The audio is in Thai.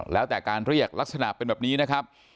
แล้วแต่การเรียกลักษณะเป็นแบบนี้นะครับ